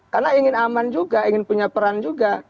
karena ingin aman juga ingin punya peran juga